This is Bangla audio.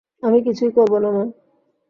আমি কিছুই করবো না, মা।